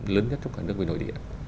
lớn nhất trong cả nước về nội địa